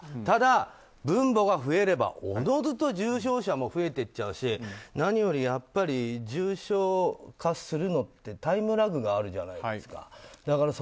ただ分母が増えれば自ずと重症者も増えていっちゃうし何より、重症化するのてタイムラグがあるじゃないですか。